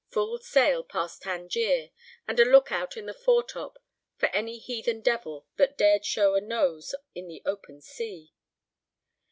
Full sail past Tangier, and a "lookout" in the foretop for any heathen devil that dared show a nose in the open sea.